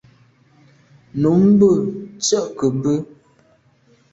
Nummbe ntse ke’ be.